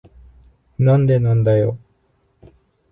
なんでなんだよ。